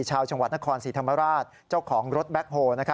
ชาวจังหวัดนครศรีธรรมราชเจ้าของรถแบ็คโฮล